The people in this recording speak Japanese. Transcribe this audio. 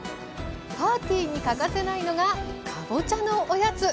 パーティーに欠かせないのがかぼちゃのおやつ。